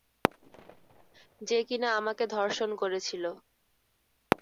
যে কিনা আমাকে ধর্ষণ করেছিল।